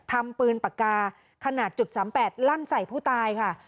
ทำปืนปากกาขนาด๓๘ลั่นใส่ผู้ตายค่ะ